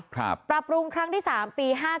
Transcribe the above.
ปรับปรุงครั้งที่๓ปี๕๗